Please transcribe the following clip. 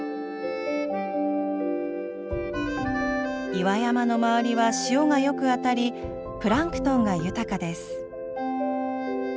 岩山の周りは潮がよく当たりプランクトンが豊かです。